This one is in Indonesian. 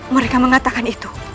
mereka mengatakan itu